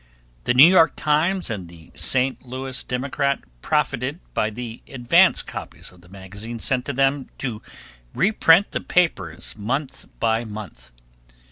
'The New York Times' and the 'St. Louis Democrat' profited by the advance copies of the magazine sent them to reprint the papers month by month.